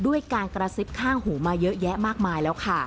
ด้วยการกระซิบข้างหูมาเยอะแยะมากมายแล้วค่ะ